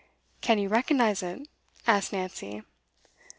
'Can you recognise it?' asked Nancy.